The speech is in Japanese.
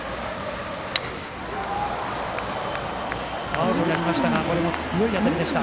ファウルになりましたがこれも強い当たりでした。